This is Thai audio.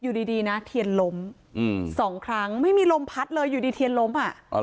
อยู่ดีนะเทียนล้มสองครั้งไม่มีลมพัดเลยอยู่ดีเทียนล้มอ่ะ